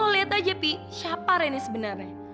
lu lihat aja pi siapa renek sebenarnya